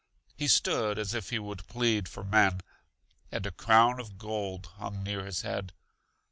He stood as if He would plead for men, and a crown of gold hung near his head.